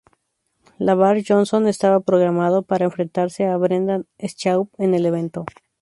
Lavar Johnson estaba programado para enfrentarse a Brendan Schaub en el evento.